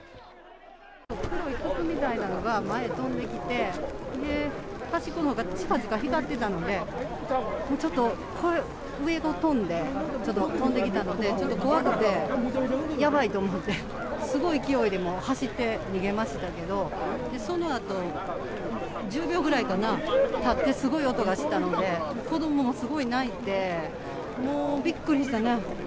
黒い筒みたいなのが前に飛んできて端っこのほうがチカチカ光ってたので上を飛んで飛んできたのでちょっと怖くてやばいと思ってすごい勢いで走って逃げましたけど、そのあと１０秒くらいかな、たってすごい音がしたので子どももすごい泣いて、もうびっくりしたな。